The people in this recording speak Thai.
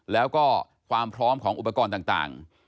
แล้วก็ความพร้อมของอุปกรณ์ต่าง